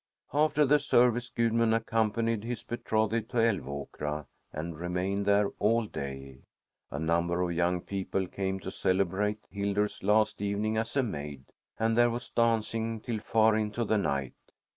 After the service Gudmund accompanied his betrothed to Älvåkra and remained there all day. A number of young people came to celebrate Hildur's last evening as a maid, and there was dancing till far into the night.